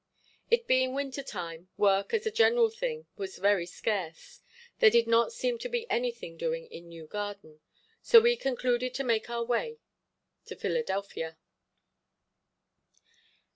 It being winter time, work, as a general thing, was very scarce; there did not seem to be anything to do in New Garden, so we concluded to make our way to Philadelphia.